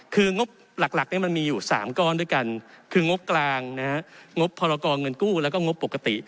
คืองบหลักมันมีอยู่๓ก้อนด้วยกันคืองบกลางนะฮะงบพรกรเงินกู้แล้วก็งบปกติ